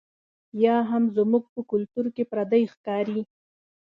یا هم زموږ په کلتور کې پردۍ ښکاري.